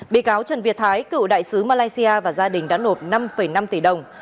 bị cáo trần việt thái cựu đại sứ malaysia và gia đình đã nộp năm năm tỷ đồng